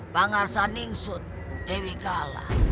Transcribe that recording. bangar saningsud dewi kala